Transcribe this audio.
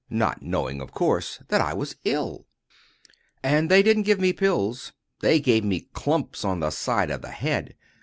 —not knowing, of course, that I was ill. And they didn't give me pills; they gave me clumps on the side of the head.